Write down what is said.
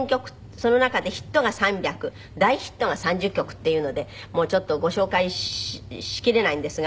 その中でヒットが３００大ヒットが３０曲っていうのでちょっとご紹介しきれないんですが。